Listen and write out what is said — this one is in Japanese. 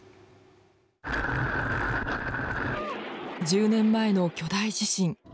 １０年前の巨大地震。